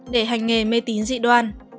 để hành nghề mê tín dị đoan